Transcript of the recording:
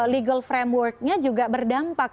legal frameworknya juga berdampak